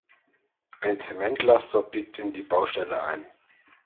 Ein Zementlaster biegt in die Baustelle ein.